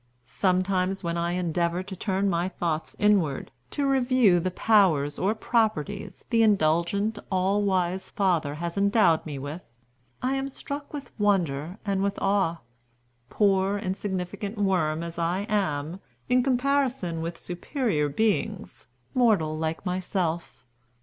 "Sometimes, when I endeavor to turn my thoughts inward, to review the powers or properties the indulgent all wise Father has endowed me with, I am struck with wonder and with awe; poor, insignificant worm as I am, in comparison with superior beings, mortal like myself.